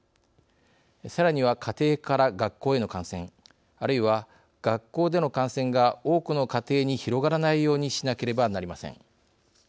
さらには、家庭から学校への感染あるいは、学校での感染が多くの家庭に広がらないようにしなければなりません。